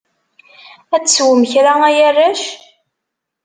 Ad teswem kra a arrac?